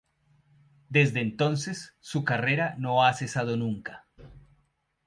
Desde entonces su carrera no ha cesado nunca.